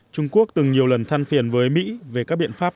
trung quốc từng nhiều lần than phiền với mỹ về các biện pháp